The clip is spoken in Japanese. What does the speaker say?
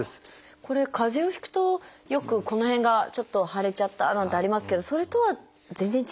これ風邪をひくとよくこの辺がちょっと腫れちゃったなんてありますけどそれとは全然違うものなんですか？